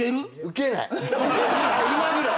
今ぐらい。